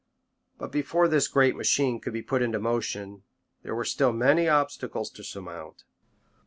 But before this great machine could be put in motion, there were still many obstacles to surmount.